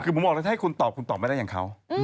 คือผมบอกแล้วถ้าให้คุณตอบคุณตอบไม่ได้อย่างเขา